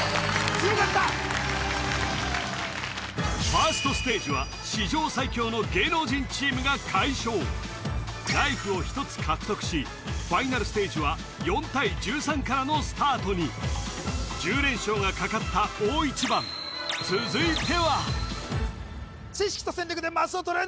ファーストステージは史上最強の芸能人チームが快勝ライフを１つ獲得しファイナルステージは４対１３からのスタートに１０連勝がかかった大一番続いては知識と戦略でマスを取れ！